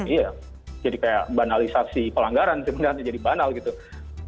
iya jadi kayak banalisasi pelanggaran sebenarnya jadi banal gitu